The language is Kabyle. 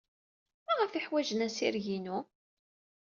Maɣef ay ḥwajen assireg-inu?